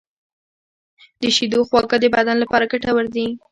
د شیدو خواږه د بدن لپاره ګټور دي.